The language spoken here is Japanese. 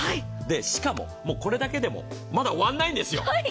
しかも、これだけでもまだ終わらないんですよ。